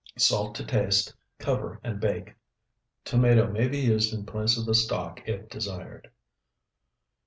Salt to taste, cover, and bake. Tomato may be used in place of the stock if desired.